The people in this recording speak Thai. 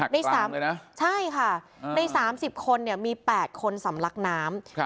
ใน๓เลยนะใช่ค่ะใน๓๐คนมี๘คนสำลักน้ำ